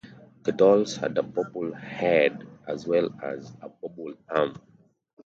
The dolls had a bobble head as well as a bobble arm.